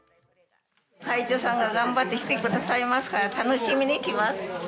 会長さんが頑張ってしてくださいますから楽しみに来ます。